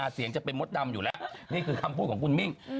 เสียงจะเป็นมดดำอยู่แล้วนี่คือคำพูดของคุณมิ่ง